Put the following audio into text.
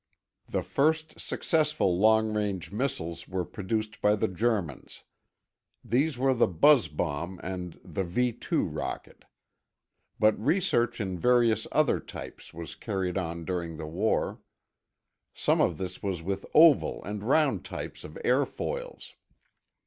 The first successful long range missiles were produced by the Germans. These were the buzz bomb and. the V 2 rocket. But research in various other types was carried on during the war. Some of this was with oval and round types of airfoils.